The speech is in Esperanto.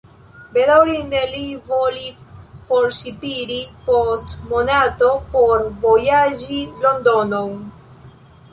Bedaŭrinde li volis forŝipiri post monato por vojaĝi Londonon.